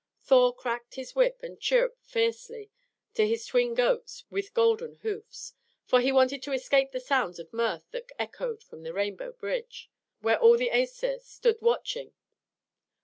Thor cracked his whip and chirruped fiercely to his twin goats with golden hoofs, for he wanted to escape the sounds of mirth that echoed from the rainbow bridge, where all the Æsir stood watching.